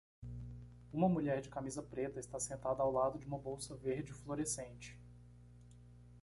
Uma mulher de camisa preta está sentada ao lado de uma bolsa verde fluorescente.